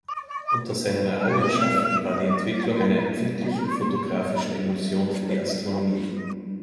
Unter seinen Errungenschaften war die Entwicklung einer empfindlichen fotografischen Emulsion für die Astronomie.